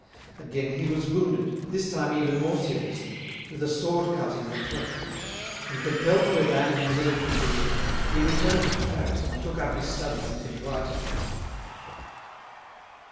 Again he was wounded, this time even more seriously, with a sword cut in the throat. And compelled to abandon the military career, he returned to Paris and took up his studies and his writing.